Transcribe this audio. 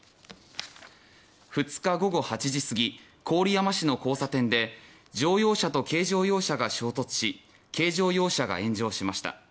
２日午後８時すぎ郡山市の交差点で乗用車と軽乗用車が衝突し軽乗用車が炎上しました。